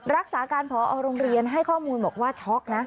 รักษาการพอโรงเรียนให้ข้อมูลบอกว่าช็อกนะ